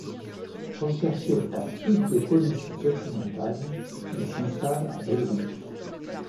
Recherché par toutes les polices occidentales, il s'installe à Beyrouth.